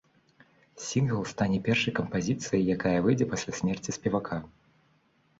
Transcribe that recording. Сінгл стане першай кампазіцыяй, якая выйдзе пасля смерці спевака.